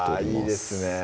あいいですね